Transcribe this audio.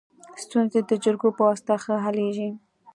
ستونزي د جرګو په واسطه ښه حلیږي.